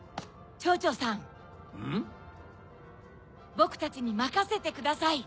ボクたちにまかせてください！